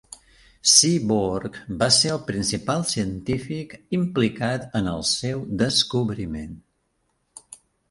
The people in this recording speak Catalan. Seaborg va ser el principal científic implicat en el seu descobriment.